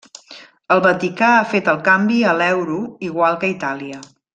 El Vaticà ha fet el canvi a l'euro igual que Itàlia.